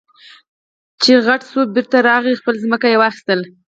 چې غټ شو بېرته راغی خپله ځمکه يې واخېستله.